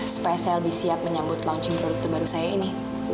supaya saya lebih siap menyambut launching produk terbaru saya ini